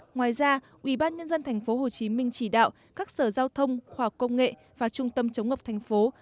ngoài ra ubnd tp hcm chỉ đạo các sở giao thông khoa học công nghệ và trung tâm chống ngập thành phố